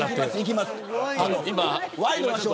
ワイドナショー